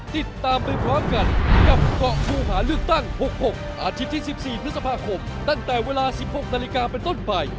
ติดตามเป็นพร้อมกันกับเกาะภูหาเลือกตั้ง๖๖อาทิตย์ที่๑๔นนตั้งแต่เวลา๑๖นเป็นต้นไป